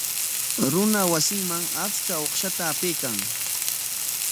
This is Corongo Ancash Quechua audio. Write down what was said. Runa wasinman achka uqshata apaykan.